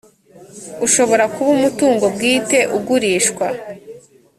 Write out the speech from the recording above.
ushobora kuba umutungo bwite ugurishwa